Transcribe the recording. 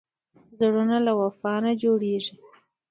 زړونه له وفا نه جوړېږي.